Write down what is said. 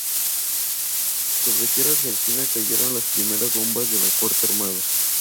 Sobre tierra Argentina cayeron las primeras bombas de la cuarta armada.